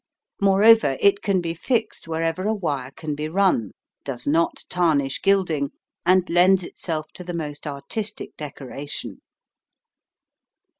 Moreover, it can be fixed wherever a wire can be run, does not tarnish gilding, and lends itself to the most artistic decoration.